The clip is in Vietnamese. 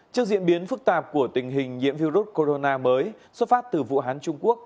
trước diễn biến phức tạp của tình hình nhiễm virus corona mới xuất phát từ vũ hán trung quốc